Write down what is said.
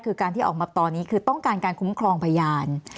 คือการที่ออกมาตอนนี้คือต้องการการคุ้มครองพยาน